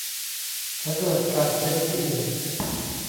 ฉันจะจัดการเคสนี้เอง